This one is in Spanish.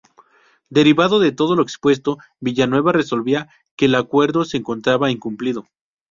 Derivado de todo lo expuesto, Villanueva resolvía que el acuerdo se encontraba incumplido.